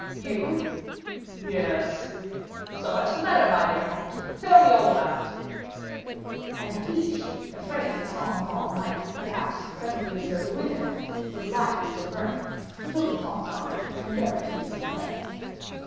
"You?" "Yes." "So much the better, my dear comte; tell me all about it." And De Guiche, afraid that Saint Aignan might perhaps presently observe the window, where the light was still burning, took the comte's arm and endeavored to lead him away.